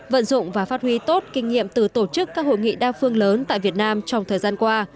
vận dụng và phát huy tốt kinh nghiệm từ tổ chức các hội nghị đa phương lớn tại việt nam trong thời gian qua